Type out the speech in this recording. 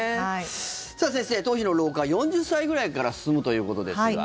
さあ先生、頭皮の老化は４０歳ぐらいから進むということですが。